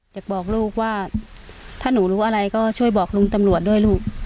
อยากบอกลูกว่าถ้าหนูรู้อะไรก็ช่วยบอกลุงตำรวจด้วยลูก